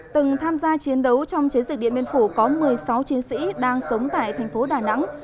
từng tham gia chiến đấu trong chiến dịch điện biên phủ có một mươi sáu chiến sĩ đang sống tại thành phố đà nẵng